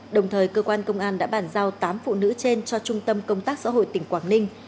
đồng thời cơ quan công an đã bàn giao tám phụ nữ trên cho trung tâm công tác xã hội tỉnh quảng ninh